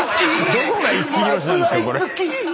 どこが五木ひろしなんですか？